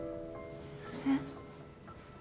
えっ。